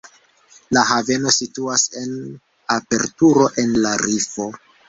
La haveno situas en aperturo en la rifo.